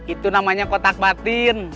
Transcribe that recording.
itu namanya kotak batin